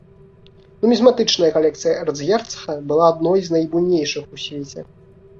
Нумізматычная калекцыя эрцгерцага была адной з найбуйнейшых у свеце.